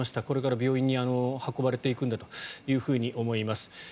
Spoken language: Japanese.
これから病院に運ばれていくんだと思います。